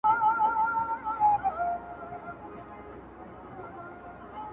ډلي به راسي د توتکیو -